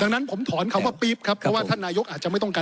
ดังนั้นผมถอนคำว่าปี๊บครับเพราะว่าท่านนายกอาจจะไม่ต้องการ